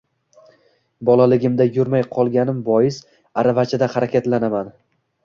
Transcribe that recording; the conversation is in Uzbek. Bolaligimda yurmay qolganim bois aravachada harakatlanaman.